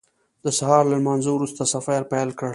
د سهار له لمانځه وروسته سفر پیل کړ.